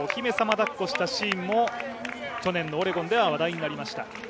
だっこしたシーンも去年のオレゴンでは話題になりました。